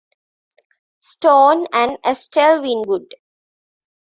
Stone, and Estelle Winwood.